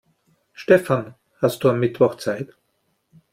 Stefan, hast du am Mittwoch Zeit?